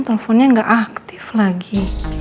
teleponnya gak aktif lagi